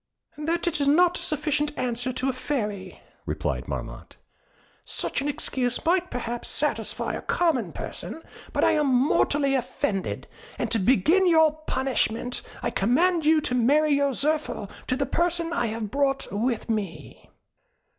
"That is not a sufficient answer to a Fairy," replied Marmotte. "Such an excuse might perhaps satisfy a common person, but I am mortally offended; and to begin your punishment, I command you to marry your Zirphil to the person I have brought with me."